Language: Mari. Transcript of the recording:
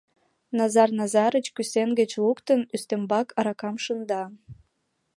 Назар Назарыч, кӱсен гычше луктын, ӱстембак аракам шында.